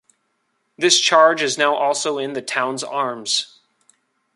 This charge is now also in the town's arms.